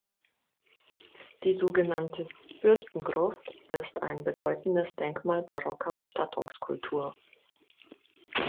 Diese sogenannte Fürstengruft ist ein bedeutendes Denkmal barocker Bestattungskultur.